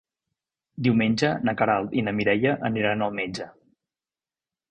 Diumenge na Queralt i na Mireia aniran al metge.